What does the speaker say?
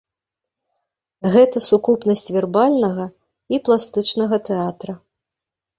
Гэта сукупнасць вербальнага і пластычнага тэатра.